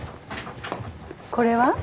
これは？